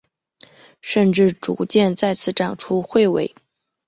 甚至逐渐再次长出彗尾。